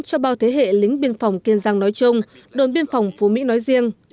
cho bao thế hệ lính biên phòng kiên giang nói chung đồn biên phòng phú mỹ nói riêng